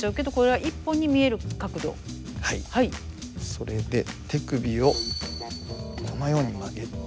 それで手首をこのように曲げて。